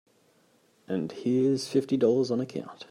And here's fifty dollars on account.